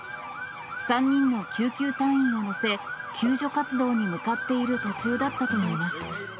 ３人の救急隊員を乗せ、救助活動に向かっている途中だったといいます。